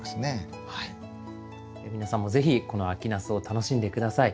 皆さんも是非この秋ナスを楽しんで下さい。